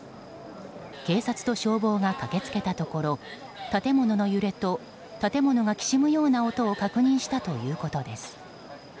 警察と消防が駆け付けたところ建物の揺れと建物がきしむような音を確認したということです。